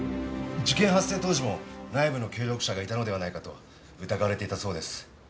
事件発生当時も内部の協力者がいたのではないかと疑われていたそうです。